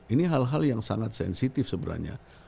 ini hal hal yang sangat sensitif sebenarnya